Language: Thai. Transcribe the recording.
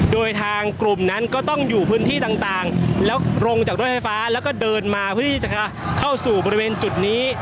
โดยทางกลุ่มนั้นก็ต้องอยู่พื้นที่ต่างแล้วลงจากรถไฟฟ้าแล้วก็เดินมาเพื่อที่จะเข้าสู่บริเวณจุดนี้